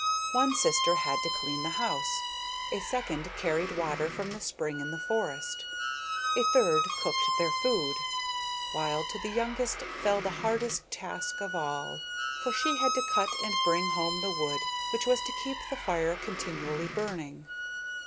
One sister had to clean the house, a second carried water from the spring in the forest, a third cooked their food, while to the youngest fell the hardest task of all, for she had to cut and bring home the wood which was to keep the fire continually burning.